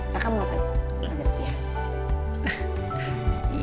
kakak mau pakai nugget ya